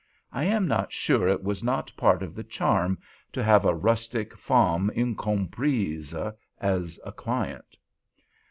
I am not sure it was not part of the charm to have a rustic femme incomprise as a client.